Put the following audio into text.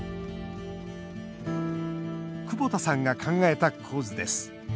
久保田さんが考えた構図です。